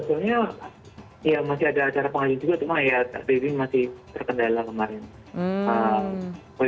soalnya ya masih ada acara pengajian juga cuma ya masih terkendala kemarin positif itu oke oke baik nah ini kan sudah lima hari lagi